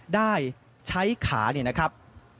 ได้ใช้ขาเนี่ยนะครับ